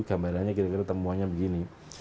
gambarannya kira kira temuannya begini